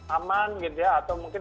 aman gitu ya atau mungkin